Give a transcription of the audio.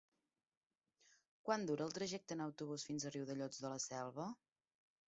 Quant dura el trajecte en autobús fins a Riudellots de la Selva?